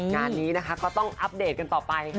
งานนี้ก็ต้องอัปเดตกันต่อไป